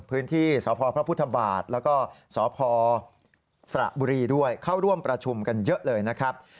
พื้นที่สพพระพุทธบาทแล้วก็สพสระบุรีด้วยเข้าร่วมประชุมกันเยอะเลยนะครับ